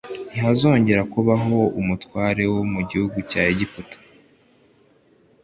Ntihazongera kubaho umutware wo mu gihugu cya Egiputa.